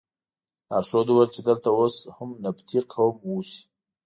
لارښود وویل چې دلته اوس هم نبطي قوم اوسي.